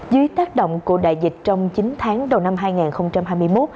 dưới tác động của đại dịch trong chín tháng đầu năm hai nghìn hai mươi một